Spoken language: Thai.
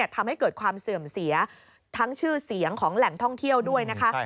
ทำให้เกิดความเสื่อมเสียทั้งชื่อเสียงของแหล่งท่องเที่ยวด้วยนะคะ